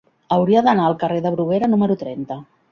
Hauria d'anar al carrer de Bruguera número trenta.